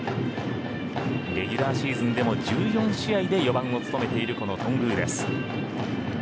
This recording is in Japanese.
レギュラーシーズンでも１４試合で４番を務めているこの頓宮です。